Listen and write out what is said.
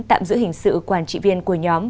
tạm giữ hình sự quản trị viên của nhóm